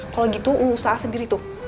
kalau gitu lo salah sendiri tuh